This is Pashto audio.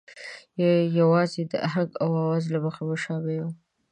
یوازې د آهنګ او آواز له مخې مشابه وو.